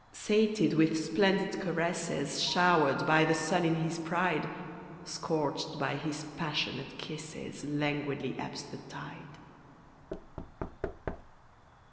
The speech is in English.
Sated with splendid caresses Showered by the sun in his pride, Scorched by his passionate kisses Languidly ebbs the tide.